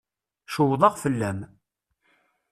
Cewḍeɣ fell-am.